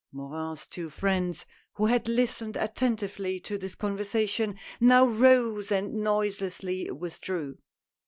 Morin's two friends who had listened attentively to this conversation now rose and noiselessly withdrew.